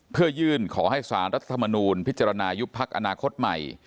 เพื่อยื่นขอให้สารรัฐธรรมนูลพิจารณายุบพักอนาคตใหม่